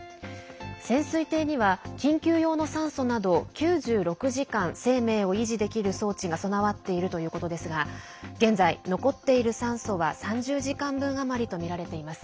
潜水艇には緊急用の酸素など９６時間生命を維持できる装置が備わっているということですが現在、残っている酸素は３０時間分余りとみられています。